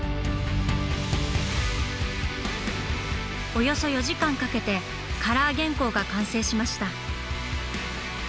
およそ４時間かけてカラー原稿が完成しました。